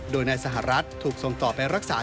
โดยนายสหรัฐถูกส่งต่อไปรักษา